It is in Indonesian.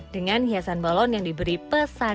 dengan hiasan balon yang diberi pesanan